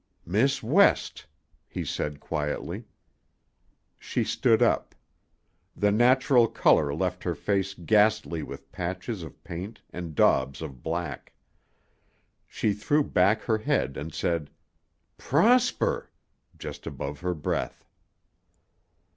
"Miss West," he said quietly. She stood up. The natural color left her face ghastly with patches of paint and daubs of black. She threw back her head and said, "Prosper!" just above her breath.